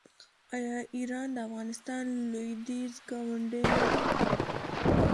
آیا ایران د افغانستان لویدیځ ګاونډی نه دی؟